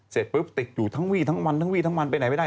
เสร็จปุ๊บติดอยู่ทั้งวี่ทั้งวันไปไหนไม่ได้